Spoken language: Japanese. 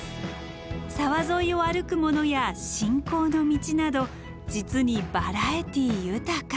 沢沿いを歩くものや信仰の道など実にバラエティー豊か。